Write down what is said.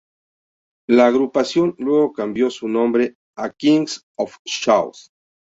La agrupación luego cambió su nombre a Kings of chaos.